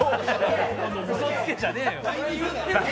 うそつけじゃねえよ。